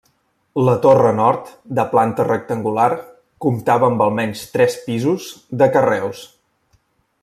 La torre nord, de planta rectangular, comptava amb almenys tres pisos, de carreus.